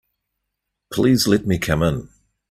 Please let me come in.